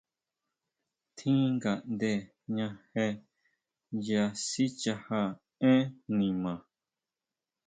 Tjín ngaʼnde jña je nya sichaja énn nima.